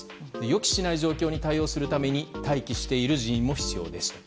予期しない状況に対応するために待機している人員も必要ですと。